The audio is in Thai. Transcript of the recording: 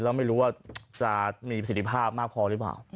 แล้วไม่รู้ว่าจะมีประสิทธิภาพมากพอหรือเปล่า